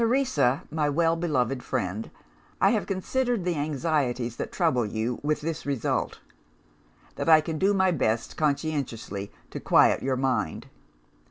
"'Teresa, my well beloved friend, I have considered the anxieties that trouble you, with this result: that I can do my best, conscientiously, to quiet your mind.